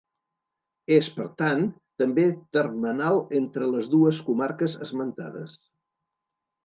És, per tant, també termenal entre les dues comarques esmentades.